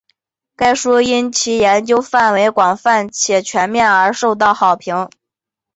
该书因其研究范围广泛且全面而广受好评。